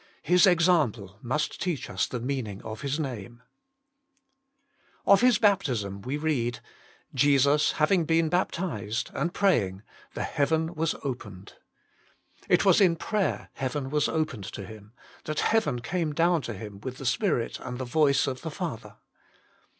His example must teach us the meaning of His Name. IN THE NAME OF CHRIST 133 Of His baptism we read, " Jesus having been baptized, and praying, the heaven was opened." It was in prayer heaven was opened to Him, that heaven came down to Him with the Spirit and the voice of the Father.